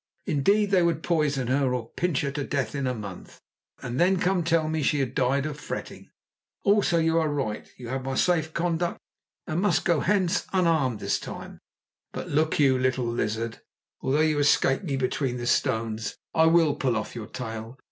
Indeed, they would poison her, or pinch her to death in a month, and then come to tell me she had died of fretting. Also, you are right; you have my safe conduct, and must go hence unharmed this time. But look you, little lizard, although you escape me between the stones, I will pull off your tail.